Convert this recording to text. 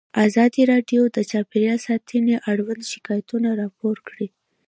ازادي راډیو د چاپیریال ساتنه اړوند شکایتونه راپور کړي.